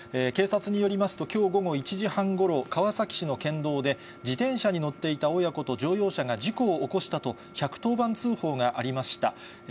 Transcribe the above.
警察によりますと、きょう午後１時半ごろ、川崎市の県道で、自転車に乗っていた親子と乗用車が事故を起こしたと、１１０番通報がありました。